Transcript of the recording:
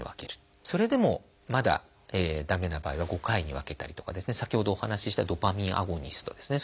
それでもまだ駄目な場合は５回に分けたりとか先ほどお話ししたドパミンアゴニストですね